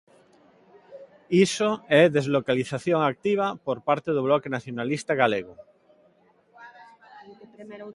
Iso é deslocalización activa por parte do Bloque Nacionalista Galego.